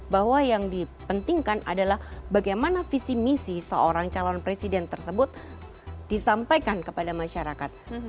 bahwa yang dipentingkan adalah bagaimana visi misi seorang calon presiden tersebut disampaikan kepada masyarakat